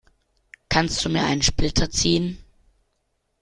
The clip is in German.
Kannst du mir einen Splitter ziehen?